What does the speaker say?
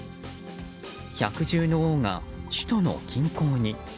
百獣の王が首都の近郊に。